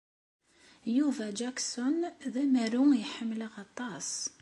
Yuba Jackson d amaru i ḥemmleɣ aṭas.